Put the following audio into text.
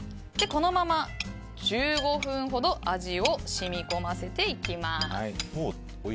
このまま１５分ほど味を染み込ませていきます。